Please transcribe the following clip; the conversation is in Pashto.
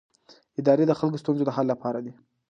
ادارې د خلکو د ستونزو د حل لپاره دي